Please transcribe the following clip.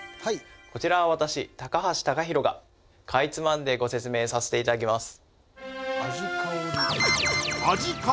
こちらは私橋貴洋がかいつまんでご説明させていただきます